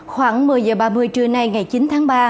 khoảng một mươi h ba mươi trưa nay ngày chín tháng ba